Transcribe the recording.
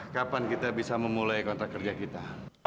kapan kita bisa memulai kontrak kerja kita